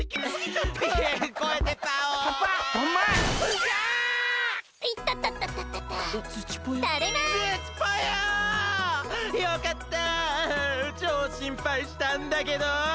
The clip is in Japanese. ちょうしんぱいしたんだけど！